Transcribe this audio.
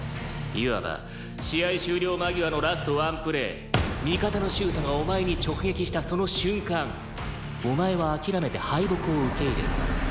「いわば試合終了間際のラストワンプレー」「味方のシュートがお前に直撃したその瞬間お前は諦めて敗北を受け入れた」